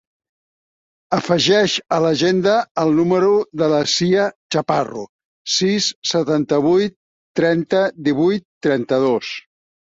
Afegeix a l'agenda el número de la Sia Chaparro: sis, setanta-vuit, trenta, divuit, trenta-dos.